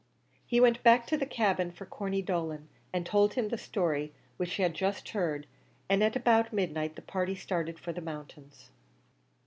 He went back to the cabin for Corney Dolan, and told him the story which he had just heard; and at about midnight the party started for the mountains.